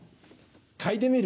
嗅いでみる？